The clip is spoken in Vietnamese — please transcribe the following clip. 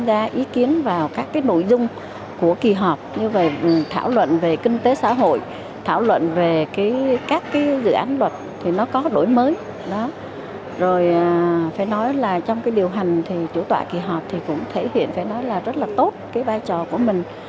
rất là tốt cái vai trò của mình